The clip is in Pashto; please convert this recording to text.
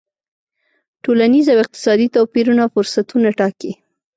ټولنیز او اقتصادي توپیرونه فرصتونه ټاکي.